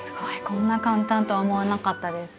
こんな簡単とは思わなかったです。